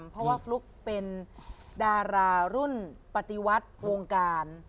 เป็นดารารุ่นปฏิวัติวงการ